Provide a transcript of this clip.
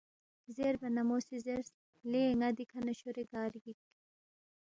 زیربا نہ مو سی زیرس، لے ن٘ا دِکھہ نہ شورے گار گِک ؟